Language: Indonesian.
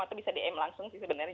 atau bisa dm langsung sih sebenarnya